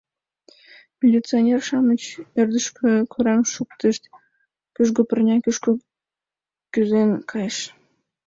Милиционер-шамыч ӧрдыжкӧ кораҥ шуктышт, кӱжгӧ пырня кӱшкӧ кӱзен кайыш.